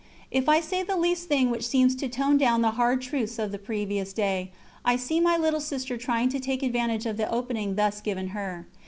If I say the least thing which seems to tone down the hard truths of the previous day, I see my little Sister trying to take advantage of the opening thus given her.